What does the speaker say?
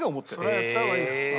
それはやった方がいいよ。